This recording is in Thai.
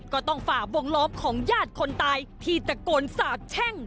ฝ่าวงล้อมของญาติคนตายที่ตะโกนสาบแช่ง